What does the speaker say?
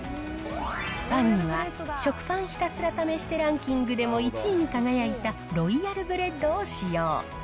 パンには、食パンひたすら試してランキングでも１位に輝いたロイヤルブレッドを使用。